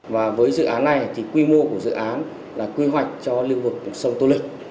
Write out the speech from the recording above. với dự án này quy mô của dự án là quy hoạch cho lưu vực sông tô lịch